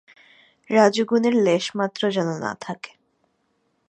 রজোগুণের লেশমাত্র যেন না থাকে।